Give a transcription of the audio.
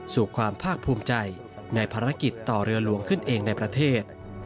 สู่ความภาคภูมิใจในภารกิจต่อเรือหลวงขึ้นเองในประเทศ